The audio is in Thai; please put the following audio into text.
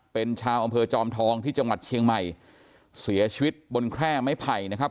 เป็นชาวอำเภอจอมทองที่จังหวัดเชียงใหม่เสียชีวิตบนแคร่ไม้ไผ่นะครับ